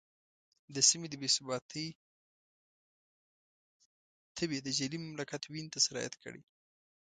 د سیمې د بې ثباتۍ تبې د جعلي مملکت وینې ته سرایت کړی.